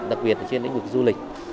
đặc biệt ở trên lĩnh vực du lịch